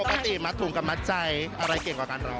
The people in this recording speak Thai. ปกติมัดถุงกับมัดใจอะไรเก่งกว่ากันรอ